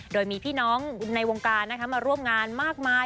โดยมีพี่น้องในวงการมาร่วมงานมากมาย